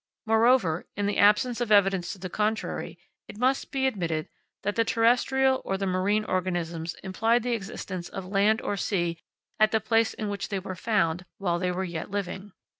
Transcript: Moreover, in the absence of evidence to the contrary, it must be admitted that the terrestrial or the marine organisms implied the existence of land or sea at the place in which they were found while they were yet living.